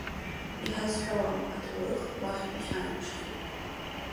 Иҳазҳәауам, аҭоурых уахь ихьанарԥшхьеит.